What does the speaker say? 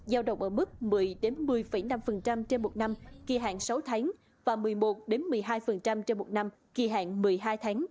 giao động ở mức một mươi một mươi năm trên một năm kỳ hạn sáu tháng và một mươi một một mươi hai trên một năm kỳ hạn một mươi hai tháng